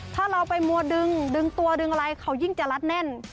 ถ้าเราไปมัวดึงดึงตัวดึงอะไรเขายิ่งจะรัดแน่น